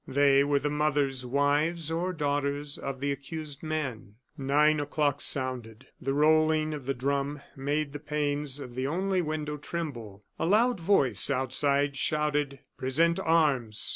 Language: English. They were the mothers, wives, or daughters of the accused men. Nine o'clock sounded. The rolling of the drum made the panes of the only window tremble. A loud voice outside shouted, "Present arms!"